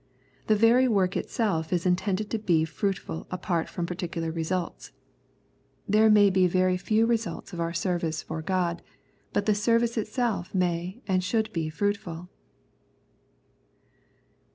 The very work itself is intended to be fruitful apart from particular results. There may be very few 65 The Prayers of St. Paul results of our service for God, but the service itself may and should be fruitful.